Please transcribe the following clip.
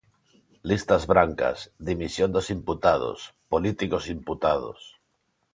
"Listas brancas", "dimisión dos imputados", "políticos imputados".